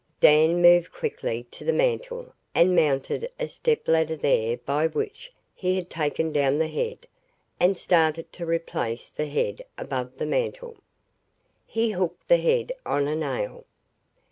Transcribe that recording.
Dan moved quickly to the mantle and mounted a stepladder there by which he had taken down the head, and started to replace the head above the mantle. He hooked the head on a nail.